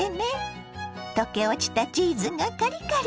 溶け落ちたチーズがカリカリ！